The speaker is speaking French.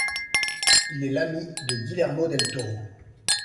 Il est l'ami de Guillermo del Toro.